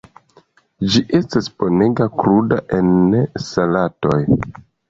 Ĝi estas bonega kruda en salatoj.